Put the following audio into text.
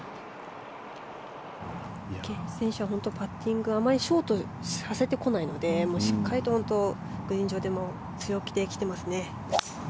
明愛選手は本当にパッティングあまりショートさせてこないのでしっかりとグリーン上でも強気で来てますね。